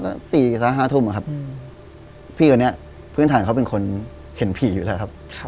๕ทุ่มครับพี่คนนี้พื้นฐานเขาเป็นคนเห็นผีอยู่แล้วครับ